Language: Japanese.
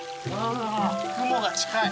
雲が近い。